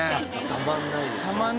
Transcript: たまんないです。